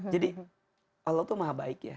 jadi allah itu maha baik ya